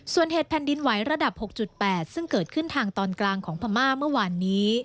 ส่วนเหตุแผ่นดินไหวระดับ๖๘ซึ่งเกิดขึ้นทางตอนกลางของพม่าเมื่อวานนี้